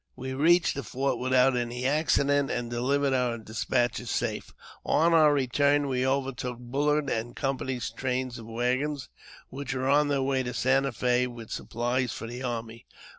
We reached the fort without any accident, and delivered our despatches safe. On our return we overtook BuUard and Company's trains of waggons, which were on their way to Santa Fe with supplies for the army.